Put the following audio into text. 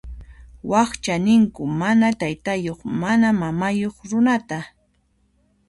Wakcha ninku mana taytayuq mana mamayuq runata.